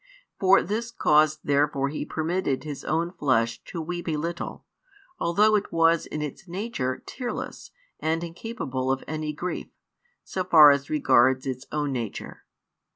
For this cause therefore He permitted His own flesh to weep a little, although it was in its nature tearless and incapable of any grief, so far as regards its own nature.